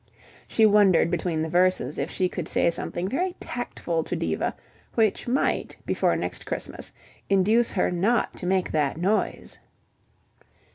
She wondered between the verses if she could say something very tactful to Diva, which might before next Christmas induce her not to make that noise.